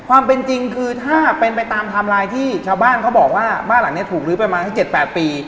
หลังจากเรียนตามไลน์ที่ชาวบ้านเขาบอกว่าบ้านหลังนี้ถูกลืมไปมา๗๘ปี